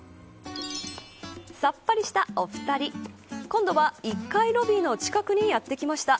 さっぱりしたお二人今度は１階ロビーの近くにやって来ました。